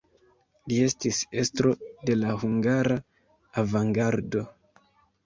Li estis estro de la hungara avangardo.